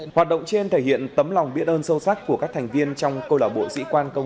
hoạt động trên thể hiện tấm lòng biết ơn sâu sắc của các thành viên trong câu lạc bộ sĩ quan công an hiêu chí cảnh vệ phía nam